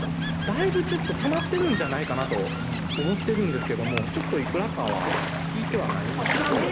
だいぶたまってるんじゃないかなと思ってるんですけどもいくらかは聞いてはない知らんの？